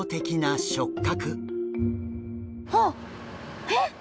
あっえっ！？